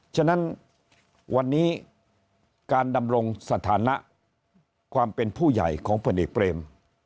ฉะนั้นวันนี้การดำรงสถานะความเป็นผู้ใหญ่ของพลเอกเปรม